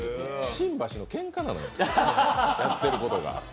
新橋のけんかなのよ、やってるのが。